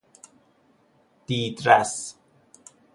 دیدرس